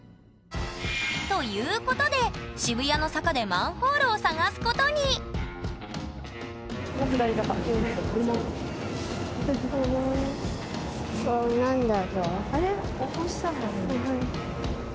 ということで渋谷の坂でマンホールを探すことにあれっお星様。